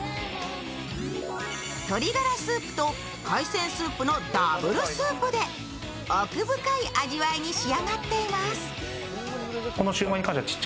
鶏ガラスープと海鮮スープのダブルスープで奥深い味わいに仕上がっています。